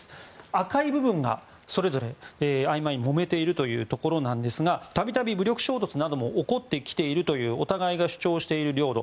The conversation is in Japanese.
赤い部分が、それぞれ曖昧にもめているところなんですが度々武力衝突なども起こってきているというお互いが主張している領土